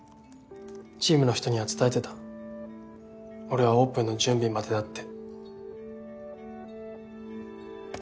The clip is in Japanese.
チームの人には伝えてた俺はオープンの準備までだって。